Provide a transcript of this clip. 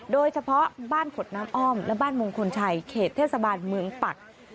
โดยเฉพาะบ้านขดน้ำอ้อมและบ้านมงคลชัยเขตเทศบาลเมืองปัก